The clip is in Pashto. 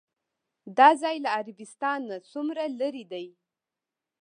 دا ځای له عربستان نه څومره لرې دی؟